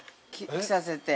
着させて。